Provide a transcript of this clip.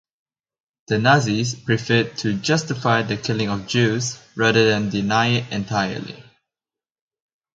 The Nazis preferred to justify the killing of Jews rather than deny it entirely.